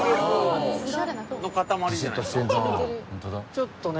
ちょっとね